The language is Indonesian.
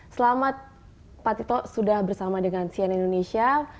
selamat pak tito sudah bersama dengan cn indonesia